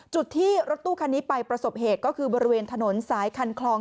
จุดที่รถตู้คันนี้ไปประสบเหตุก็คือบริเวณถนนสายคันคลอง